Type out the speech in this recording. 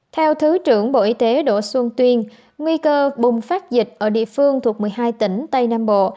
theo thứ trưởng bộ y tế đỗ xuân tuyên nguy cơ bùng phát dịch ở địa phương thuộc một mươi hai tỉnh tây nam bộ